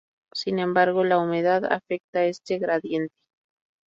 Sin embargo la humedad afecta este gradiente.